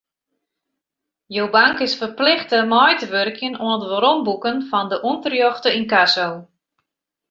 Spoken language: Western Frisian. Jo bank is ferplichte mei te wurkjen oan it weromboeken fan de ûnterjochte ynkasso.